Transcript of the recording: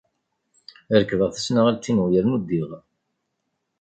Rekbeɣ tasnasɣalt-inu yernu ddiɣ.